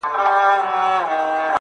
بخیل تندي ته مي زارۍ په اوښکو ولیکلې-